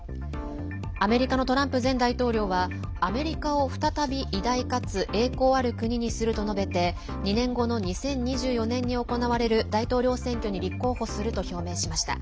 アメリカのトランプ前大統領はアメリカを再び、偉大かつ栄光ある国にすると述べて２年後の２０２４年に行われる大統領選挙に立候補すると表明しました。